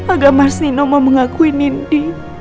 agar mas nino mau mengakuin nindi